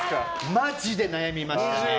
マジで悩みましたね。